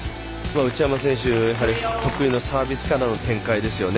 内山選手得意のサービスからの展開ですよね。